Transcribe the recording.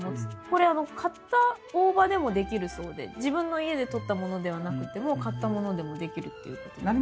これ買った大葉でもできるそうで自分の家でとったものではなくても買ったものでもできるっていうことです。